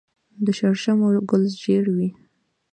د شړشمو ګل ژیړ وي.